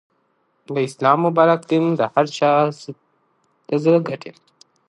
د اسلام مبارک دين د هر چا زړه ګټی.